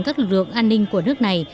các lực lượng an ninh của nước này